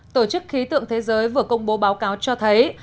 tổ chức khí tượng thế giới vừa công bố báo cáo cho thấy